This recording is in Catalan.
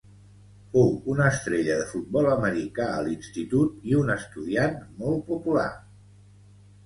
Fou una estrella de futbol americà a l'institut i un estudiant molt popular.